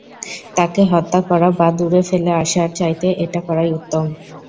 তাকে হত্যা করা বা দূরে ফেলে আসার চাইতে এটা করাই উত্তম।